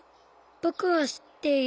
ぼくはしっている。